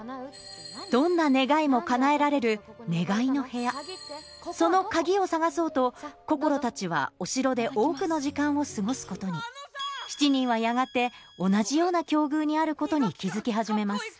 どんな願いも叶えられるその鍵を探そうとこころたちはお城で多くの時間を過ごすことに７人はやがてにあることに気付き始めます